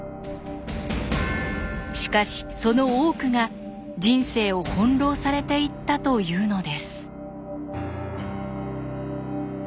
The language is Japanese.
しかしその多くが人生を翻弄されていったというのです。